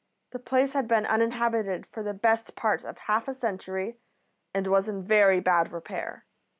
The place had been uninhabited for the best part of half a century, and was in very bad repair.